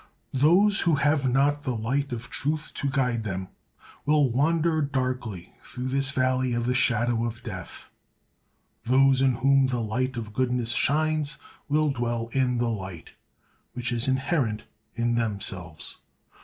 Those who have not the light of truth to guide them, will wander darkly through this valley of the shadow of death; those in whom the light of goodness shines will dwell in the light, which is inherent in themselves.